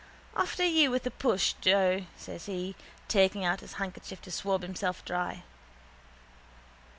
—After you with the push, Joe, says he, taking out his handkerchief to swab himself dry.